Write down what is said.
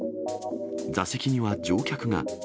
座席には乗客が。